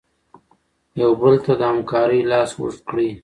یو بل ته د همکارۍ لاس اوږد کړئ.